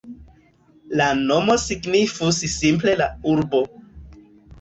La nomo signifus simple "la urbo".